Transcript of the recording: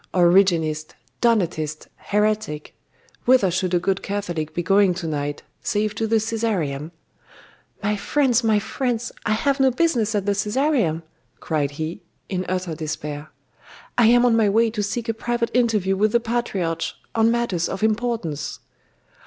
'Origenist, Donatist, heretic! Whither should a good Catholic be going to night, save to the Caesareum?' 'My friends, my friends, I have no business at the Caesareum!' cried he, in utter despair. 'I am on my way to seek a private interview with the patriarch, on matters of importance.